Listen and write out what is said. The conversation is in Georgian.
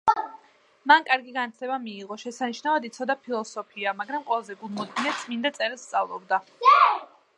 მან კარგი განათლება მიიღო, შესანიშნავად იცოდა ფილოსოფია, მაგრამ ყველაზე გულმოდგინედ წმინდა წერილს სწავლობდა.